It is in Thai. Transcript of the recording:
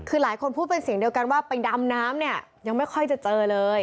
คือหลายคนพูดเป็นเสียงเดียวกันว่าไปดำน้ำเนี่ยยังไม่ค่อยจะเจอเลย